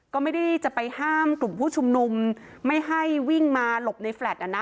ก็ไม่ได้จะไปห้ามกลุ่มผู้ชุมนุมไม่ให้วิ่งมาหลบในแลตอ่ะนะ